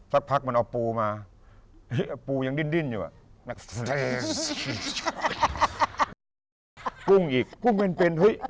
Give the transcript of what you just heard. สักพักมันเอาปูมาปูยังดิ้นอยู่ปูอีกกุ้งอีกกุ้งเป็น